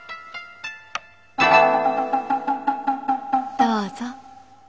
どうぞ。